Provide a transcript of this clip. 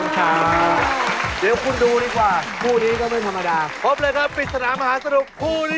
ขอบคุณมาก